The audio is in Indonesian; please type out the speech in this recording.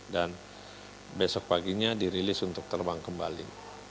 dan besok paginya dirilis untuk terbang kembali